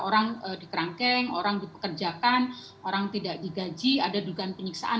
orang di kerangkeng orang di pekerjakan orang tidak digaji ada dugaan penyiksaan